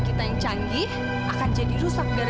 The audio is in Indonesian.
biaya pengobatan itu mahal